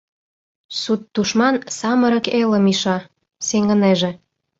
Сут тушман Самырык элым иша, сеҥынеже.